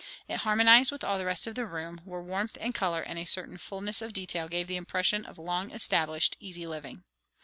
It harmonized with all the rest of the room, where warmth and colour and a certain fulness of detail gave the impression of long established easy living.